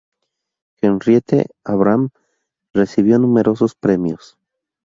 Henriette Avram recibió numerosos premios.